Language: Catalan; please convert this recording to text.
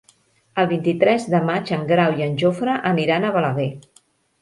El vint-i-tres de maig en Grau i en Jofre aniran a Balaguer.